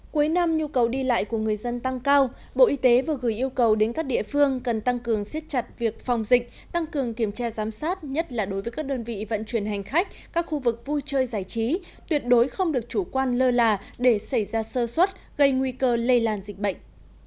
cuối năm nhu cầu đi lại của người dân tăng cao bộ y tế vừa gửi yêu cầu đến các địa phương cần tăng cường siết chặt việc phòng dịch tăng cường kiểm tra giám sát nhất là đối với các đơn vị vận chuyển hành khách các khu vực vui chơi giải trí tuyệt đối không được chủ quan lơ là để xảy ra sơ xuất gây nguy cơ lây làn dịch bệnh